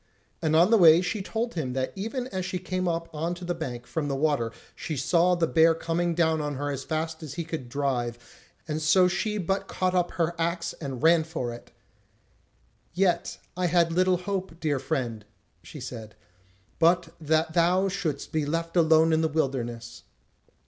And on the way she told him that even as she came up on to the bank from the water she saw the bear coming down on her as fast as he could drive, and so she but caught up her axe, and ran for it: "Yet I had little hope, dear friend," she said, "but that thou shouldst be left alone in the wilderness."